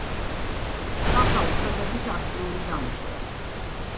ქალთა უფლებების აქტიური დამცველი.